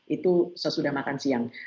itu sesudah makan siang